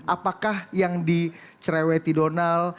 apakah yang dicereweti donald